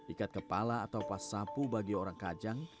ikat kepala atau pas sapu bagi orang kajang